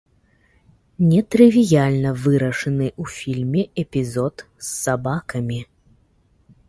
Нетрывіяльна вырашаны ў фільме эпізод з сабакамі.